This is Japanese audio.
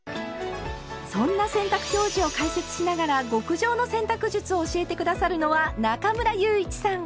そんな洗濯表示を解説しながら極上の洗濯術を教えて下さるのは中村祐一さん。